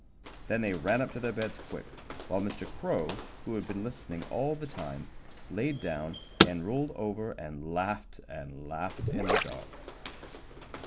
Then they ran up to their beds quick, while Mr. Crow, who had been listening all the time, laid down and rolled over and laughed and laughed in the dark.